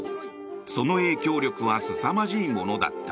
その影響力はすさまじいものだった。